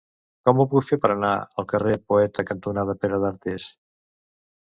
Com ho puc fer per anar al carrer Poeta cantonada Pere d'Artés?